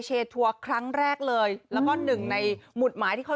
โหโหโหโหโห